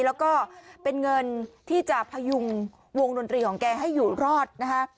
แล้วก็เป็นเงินที่จะพยุงวงดนตรีของแกให้อยู่รอดนะคะ